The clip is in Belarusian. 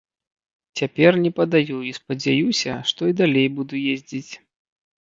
Цяпер не падаю і спадзяюся, што і далей буду ездзіць.